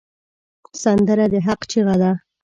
سندره د حق چیغه ده